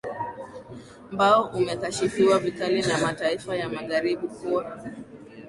mbao umekashifiwa vikali na mataifa ya magharibi kuwa